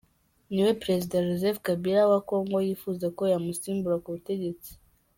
Ni we Perezida Joseph Kabila wa Kongo yifuza ko yamusimbura ku butegetsi.